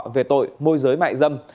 về tội môi giới mại dâm